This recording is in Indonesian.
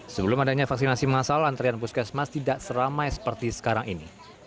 sebelum adanya vaksinasi masal antrian puskesmas tidak seramai seperti sekarang ini